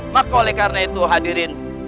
maka oleh karena itu hadirin